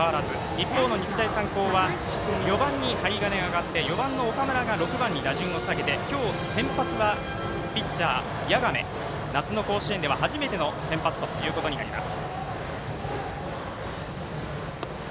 一方の日大三高は針金が上がって４番の岡村が下がって今日、先発はピッチャー、谷亀夏の甲子園では初めての先発ということになります。